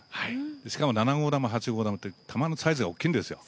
しかも７号玉、８号玉と玉のサイズが大きいんですよ。